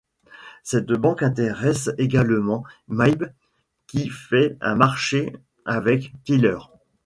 Cette banque intéresse également Maybe qui fait un marché avec Teeler.